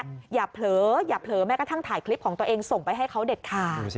อย่าเผลอแม่ก็ท่ายคลิปของตัวเองส่งไปให้เขาเด็ดขาด